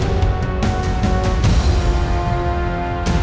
tidak ada yang bisa dihukum